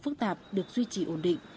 phức tạp được duy trì ổn định